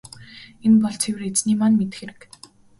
Энэ бол цэвэр Эзэний маань мэдэх хэрэг.